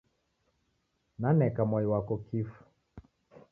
Naneka mwai wako kifu.